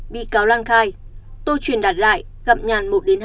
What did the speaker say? bị cáo lan khai tô chuyển đặt lại gặp nhàn một hai lần